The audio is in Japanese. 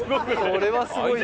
それはすごいね。